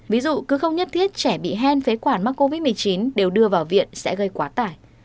ví dụ cứ không nhất thiết trẻ bị hen phế quản mắc covid một mươi chín đều đưa vào viện sẽ gây quá tải